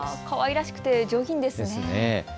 かわいらしくて上品んですね。